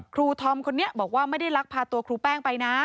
ธอมคนนี้บอกว่าไม่ได้ลักพาตัวครูแป้งไปนะ